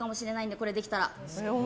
これ、できたら。